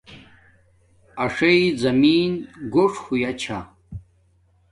اݽݵ زمین گوݽ ہویا چھا